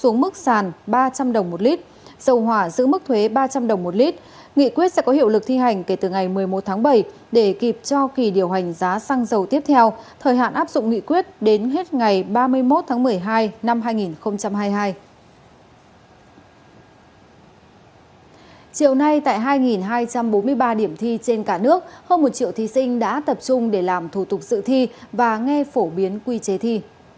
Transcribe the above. ngay tại hai hai trăm bốn mươi ba điểm thi trên cả nước hơn một triệu thí sinh đã tập trung để làm thủ tục sự thi và nghe phổ biến quy chế thi